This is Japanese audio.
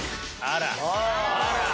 あら！